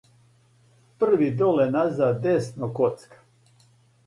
први доле назад десно коцка